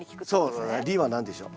「リ」は何でしょう？